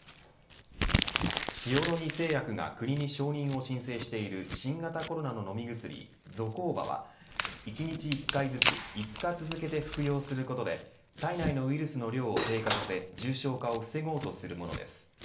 塩野義製薬が国に承認を申請している新型コロナの飲み薬ゾコーバは１日１回ずつ５日続けて服用することで体内のウイルスの量を低下させ重症化を防ごうとするものです。